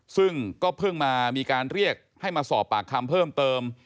ซึ่งก็เพิ่งมามีการเรียกให้มาสอบปากคำเพิ่มเติม